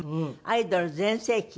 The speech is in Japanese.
アイドル全盛期。